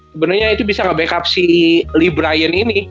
sebenernya itu bisa ngebackup si lee brian ini